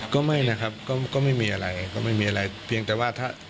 ก็ไม่นะครับก็ไม่มีอะไรก็ไม่มีอะไรเพียงแต่ว่าถ้า